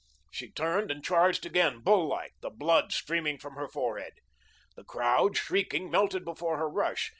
She turned and charged again, bull like, the blood streaming from her forehead. The crowd, shrieking, melted before her rush.